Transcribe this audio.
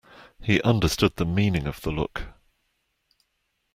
He understood the meaning of the look.